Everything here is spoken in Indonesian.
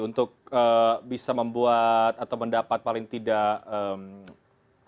untuk bisa membuat atau mendapat paling tidak